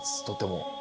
とても。